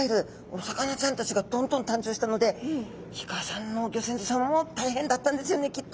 お魚ちゃんたちがどんどん誕生したのでイカさんのギョ先祖様も大変だったんですよねきっと。